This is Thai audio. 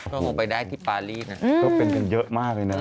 ก็ออกไปได้ที่ปารีน่ะอืมก็เป็นเป็นเยอะมากเลยนะ